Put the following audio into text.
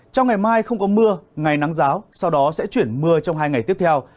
trong ngày mai không có mưa ngày nắng giáo sau đó sẽ chuyển mưa trong hai ngày tiếp theo